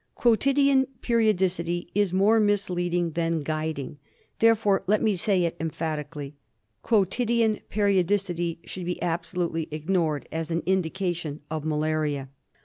Quotidian periodicity is more misleading than guiding. Therefore, let me say it emphatically, quotidian periodicity should be absolutely ignored as an indication of malaria.